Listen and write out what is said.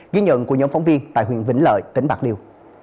ghi nhận của nhóm phóng viên tại huyện vĩnh lợi tỉnh bạc liêu